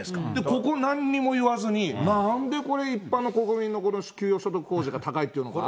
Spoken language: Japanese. ここなんにも言わずに、なんでこれ、一般の国民の給与所得控除が高いとか。